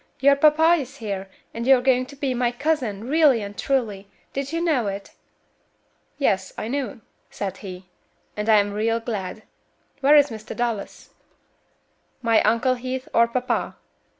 your papa is here, and you are going to be my cousin, really and truly. Did you know it?" "Yes, I knew," said he, "and I'm real glad. Where is Mr. Dallas?" "My Uncle Heath, or papa?"